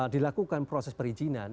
dilakukan proses perizinan